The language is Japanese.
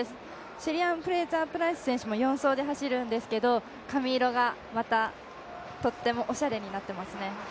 シェリーアン・フレイザープライス選手も４走で走るんですけれども、髪色がまたとってもおしゃれになってますね。